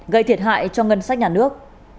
gây thiệt hại cho ngân sách nhà nước